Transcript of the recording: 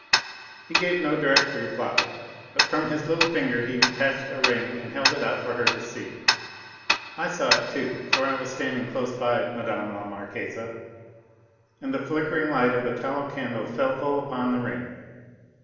He gave no direct reply, but from his little finger he detached a ring and held it out for her to see. I saw it too, for I was standing close by Mme. la Marquise, and the flickering light of the tallow candle fell full upon the ring.